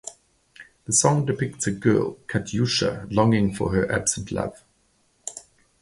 The song depicts a girl, Katyusha, longing for her absent love.